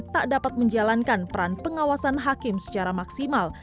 tak dapat menjalankan peran pengawasan hakim secara maksimal